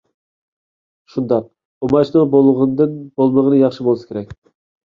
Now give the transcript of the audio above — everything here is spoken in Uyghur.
شۇنداق «ئۇماچ»نىڭ بولغىنىدىن بولمىغنى ياخشى بولسا كېرەك.